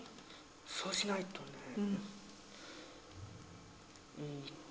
そうしないとねうんと。